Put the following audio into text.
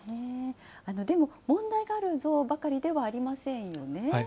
でも、問題がある像ばかりではありませんよね。